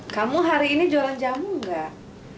kamu hari ini jualan jamu enggak